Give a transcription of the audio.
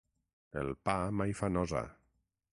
El pa mai fa nosa.